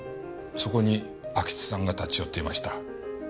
そこに安芸津さんが立ち寄っていました。